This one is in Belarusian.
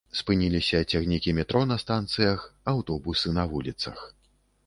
Спыніліся цягнікі метро на станцыях, аўтобусы на вуліцах.